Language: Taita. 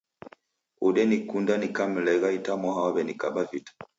Odenikunda nikamlegha itamwaha waw'enikaba vita.